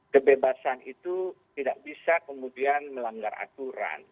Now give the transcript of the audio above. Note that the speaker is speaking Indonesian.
kebebasan itu tidak bisa kemudian melanggar aturan